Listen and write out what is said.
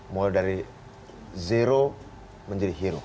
mulai dari zero menjadi hero